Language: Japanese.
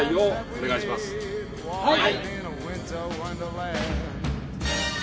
はい。